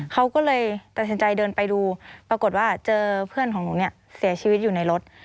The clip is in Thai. เขาก็เลยตัดสินใจเดินไปดูปรากฏว่าเจอเพื่อนของหนูเนี่ยเสียชีวิตอยู่ในรถ